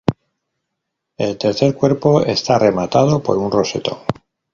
El tercer cuerpo, está rematado por un rosetón.